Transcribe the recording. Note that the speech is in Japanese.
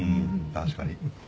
確かに。